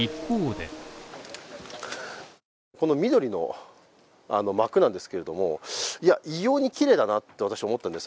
この緑のあのマークなんですけれども、異様に綺麗だなって私思ったんです